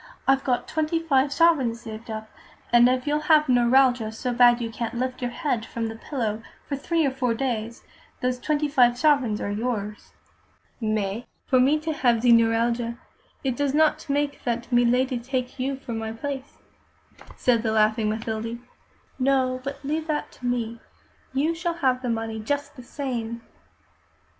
I've got twenty five sovereigns saved up, and if you'll have neuralgia so bad you can't lift your head from the pillow for three or four days, those twenty five sovereigns are yours." "Mais, for me to have ze neuralgia, it do not make that milady take you for my place," said the laughing Mathilde. "No, but leave that to me. You shall have the money just the same."